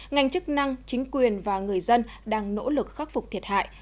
ngành chức năng chính quyền và người dân đang nỗ lực khắc phục thiệt hại